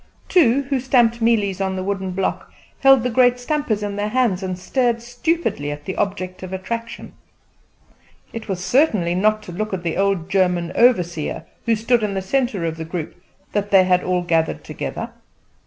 Two, who stamped mealies in a wooden block, held the great stampers in their hands, and stared stupidly at the object of attraction. It certainly was not to look at the old German overseer, who stood in the centre of the group, that they had all gathered together.